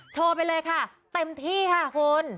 ไปเลยค่ะเต็มที่ค่ะคุณ